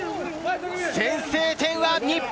先制点は日本！